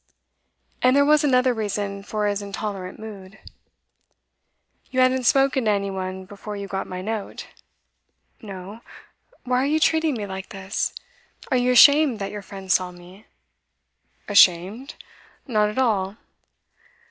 And there was another reason for his intolerant mood. 'You hadn't spoken to any one before you got my note?' 'No. Why are you treating me like this? Are you ashamed that your friend saw me?' 'Ashamed? not at all.